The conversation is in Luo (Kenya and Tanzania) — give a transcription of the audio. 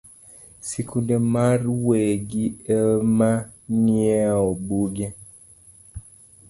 Sikunde mar wegi emang’iewo buge